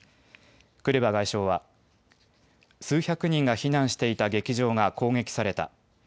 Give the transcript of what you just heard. クレバ外相は数百人が避難していた劇場が攻撃された。